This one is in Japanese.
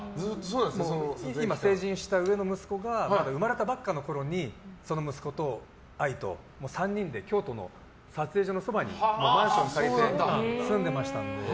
今、成人した上の息子が生まれたばかりのころにその息子と愛と３人で京都の撮影所のそばにマンションを借りて住んでましたので。